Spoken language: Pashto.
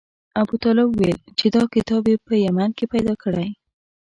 ابوطالب ویل چې دا کتاب یې په یمن کې پیدا کړی.